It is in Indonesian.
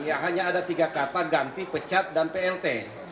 ya hanya ada tiga kata ganti pecat dan plt